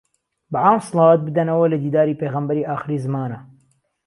بە عام سڵاوات بدهنهوه له دیداری پێغهمبەری ئاخریزمانه.